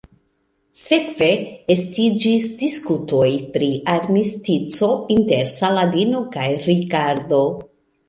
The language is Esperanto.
Sekve estiĝis diskutoj pri armistico inter Saladino kaj Rikardo.